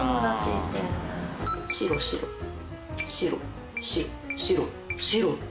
白白白白白白！